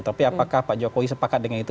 tapi apakah pak jokowi sepakat dengan itu